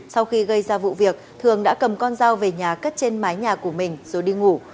sau khi gây ra vụ việc thường đã cầm con dao về nhà cất trên mái nhà của mình rồi đi ngủ